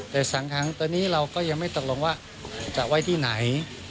แต่๓ครั้งตอนนี้เราก็ยังไม่ตกลงว่าจะไว้ที่ไหน